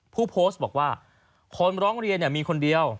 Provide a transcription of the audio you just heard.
ผู้โพสต์บอกว่าคนร้องเรียนมีคนเดียว